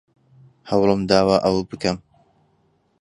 هەوڵم داوە ئەوە بکەم.